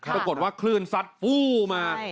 ปรากฏว่าคลื่นซัดฟู้มา